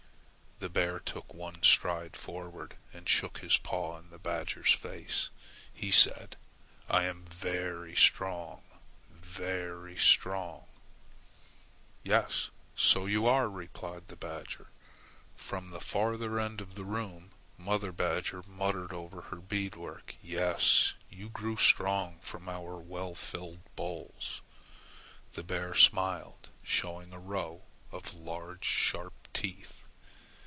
The bear took one stride forward and shook his paw in the badger's face. He said: "I am strong, very strong!" "Yes, yes, so you are," replied the badger. From the farther end of the room mother badger muttered over her bead work: "Yes, you grew strong from our well filled bowls." The bear smiled, showing a row of large sharp teeth.